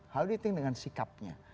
how do you think dengan sikapnya